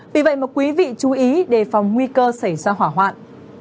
vì vậy quý vị chú ý để phòng nguy cơ xảy ra hỏa hoạn